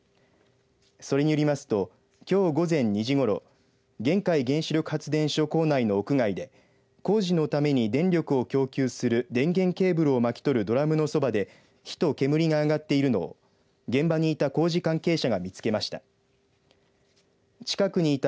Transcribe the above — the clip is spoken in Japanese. それによりますときょう午前２時ごろ玄海原子力発電所構内の屋外で工事のために電力を供給する電源ケーブルを巻き取るドラムのそばで火と煙が上がっているのを現場にいた工事関係者が見つけました。